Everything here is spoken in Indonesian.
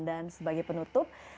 dan sebagai penutup